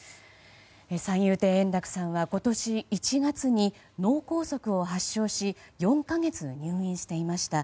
三遊亭円楽さんは今年１月に脳梗塞を発症し４か月入院していました。